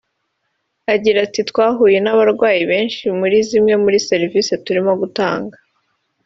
Agira ati “Twahuye n’abarwayi benshi muri zimwe muri serivisi turimo gutanga